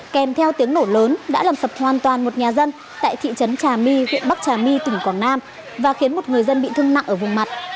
kèm theo tiếng nổ lớn đã làm sập hoàn toàn một nhà dân tại thị trấn trà my huyện bắc trà my tỉnh quảng nam và khiến một người dân bị thương nặng ở vùng mặt